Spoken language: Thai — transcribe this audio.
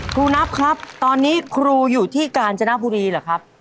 นับครับตอนนี้ครูอยู่ที่กาญจนบุรีเหรอครับ